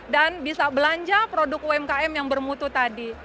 dan bisa belanja produk umkm yang bermutu tadi